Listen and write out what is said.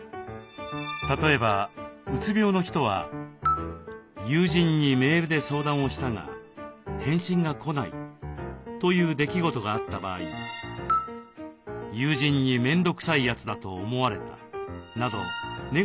例えばうつ病の人は友人にメールで相談をしたが返信が来ないという出来事があった場合友人に「面倒くさいやつ」だと思われたなどネガティブな考え認知をしがちです。